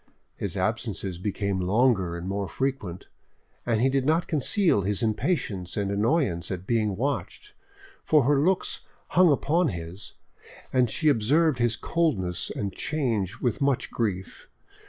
His absences became longer and more frequent, and he did not conceal his impatience and annoyance at being watched; for her looks hung upon his, and she observed his coldness and change with much grief.